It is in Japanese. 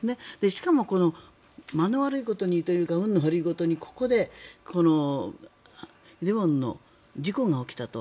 しかも、間の悪いことにというか運の悪いことにここで梨泰院の事故が起きたと。